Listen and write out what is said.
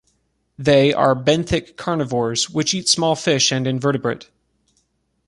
They are benthic carnivores which eat small fish and invertebrate.